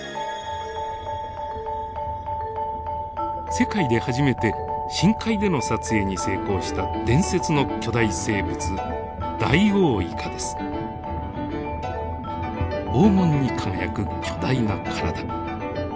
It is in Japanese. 世界で初めて深海での撮影に成功した伝説の巨大生物黄金に輝く巨大な体。